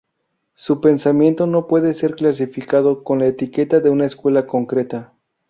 Su pensamiento no puede ser clasificado con la etiqueta de una escuela concreta.